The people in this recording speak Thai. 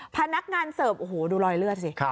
พนักงานเสิร์ฟโอ้โหดูรอยเลือดสิ